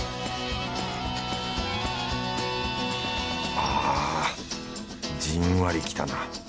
ああじんわりきたな。